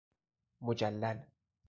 مجلل